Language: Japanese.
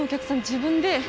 自分で。